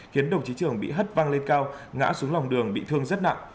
khiến đồng chí trường bị hất văng lên cao ngã xuống lòng đường bị thương rất nặng